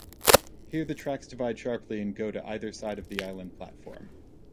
Here the tracks divide sharply to go either side of the island platform.